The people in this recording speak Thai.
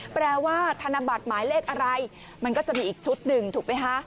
แปลว่าธนบัตรหมายเลขอะไรมันก็จะมีอีกชุดหนึ่งถูกไหมคะ